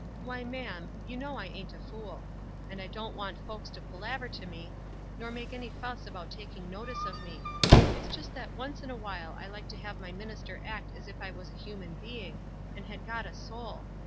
" Why, ma'am, }^ou know I ain't a fool. I don't want folks to palaver to mo, nor make any fuss about taking notice of me. It's just that once in a while I like to have my minister act as if I was a human being, and had got a soul.